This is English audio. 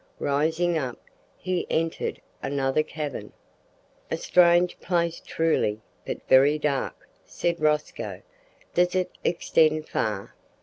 Rising up, he entered another cavern. "A strange place truly, but very dark," said Rosco; "does it extend far?"